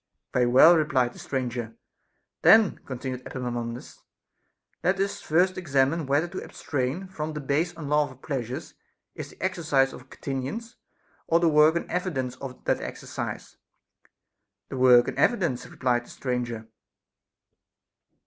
Very well, replied the stranger. Then, continued Epaminondas, let us first examine whether to abstain from the base unlawful pleas ures is the exercise of continence, or the work and evi dence of that exercise \ The work and evidence, replied the stranger.